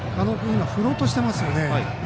今、振ろうとしていますよね。